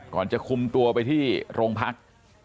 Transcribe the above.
จะคุมตัวไปที่โรงพัก